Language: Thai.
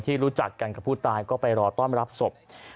รู้จักกันกับผู้ตายก็ไปรอต้อนรับศพ